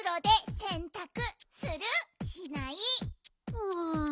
うん。